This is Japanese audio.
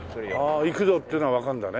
行くぞっていうのがわかるんだね。